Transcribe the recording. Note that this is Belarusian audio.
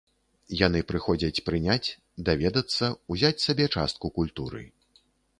Яны прыходзяць прыняць, даведацца, узяць сабе частку культуры.